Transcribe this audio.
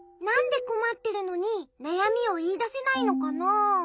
なんでこまってるのになやみをいいだせないのかな？